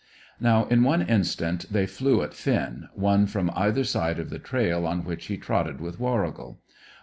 Now, in one instant, they both flew at Finn, one from either side of the trail on which he trotted with Warrigal.